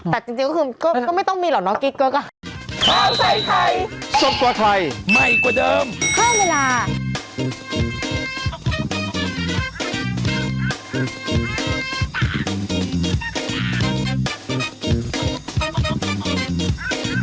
แต่จริงก็ไม่ต้องมีเหรอน้องกิ๊ก